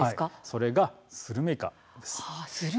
それがスルメイカです。